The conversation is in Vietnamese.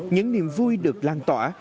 những niềm vui được lan tỏa